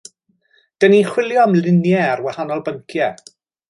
'Dan ni'n chwilio am luniau ar wahanol bynciau